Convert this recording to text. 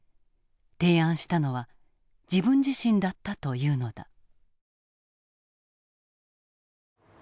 提案したのは自分自身だったというのだ。